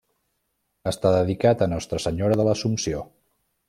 Està dedicat a Nostra Senyora de l'Assumpció.